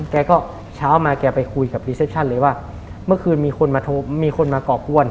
แกก็เช้ามาแกไปคุยกับพรีเซปชั่นเลยว่าเมื่อคืนมีคนมาโทรมีคนมาก่อกวน